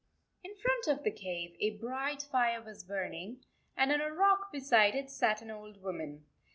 In front of the cave a bright fire was burning, and on a rock be side it sat an old woman.